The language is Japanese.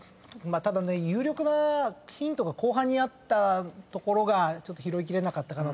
ただね有力なヒントが後半にあったところがちょっと拾い切れなかったかな。